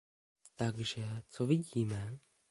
Takže co vidíme?